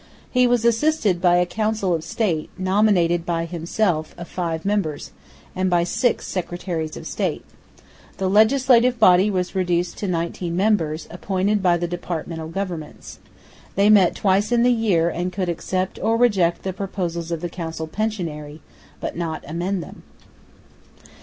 He was assisted by a Council of State, nominated by himself, of five members, and by six Secretaries of State. The Legislative Body was reduced to nineteen members, appointed by the Departmental Governments. They met twice in the year and could accept or reject the proposals of the council pensionary, but not amend them.